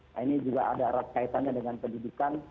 nah ini juga ada erat kaitannya dengan pendidikan